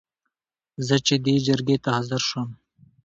زه چې دې جرګې ته حاضر شوم.